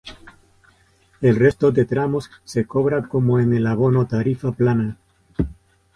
El resto de tramos se cobra cómo en el abono tarifa plana.